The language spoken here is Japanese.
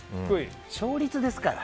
勝率ですから。